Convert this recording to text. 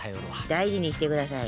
大事にしてください。